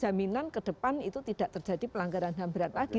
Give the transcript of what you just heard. jaminan yang ada di depan itu tidak terjadi pelanggaran ham berat lagi